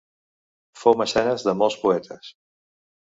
Fou mecenes de molts poetes.